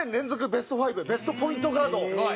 ベスト５ベストポイントガードとってる。